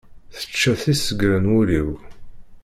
Tečča tisegra n wul-iw.